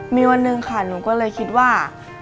มีวันหนึ่งค่ะหนูก็เลยคิดว่า